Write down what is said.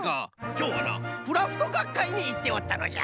きょうはなクラフトがっかいにいっておったのじゃ。